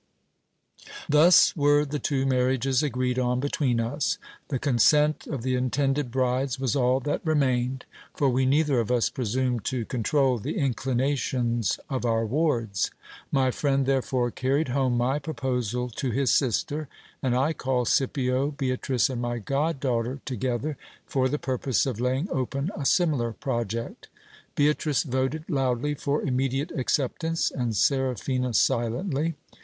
Thus were the two marriages agreed on between us. The consent of the intended brides was all that remained ; for we neither of us presumed to con trol the inclinations of our wards. My friend therefore carried home my pro posal to his sister, and I called Scipio, Beatrice, and my god daughter together, for the purpose of laying open a similar project. Beatrice voted loudly for im mediate acceptance, and Seraphina silently.